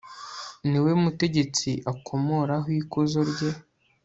ni we umutegetsi akomoraho ikuzo rye